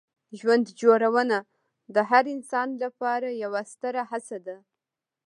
ژوند جوړونه د هر انسان لپاره یوه ستره هڅه ده.